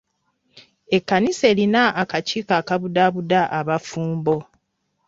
Ekkanisa erina akakiiko akabudaabuda abafumbo.